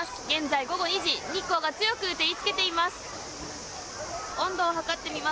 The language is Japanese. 現在午後２時、日光が強く照りつけています。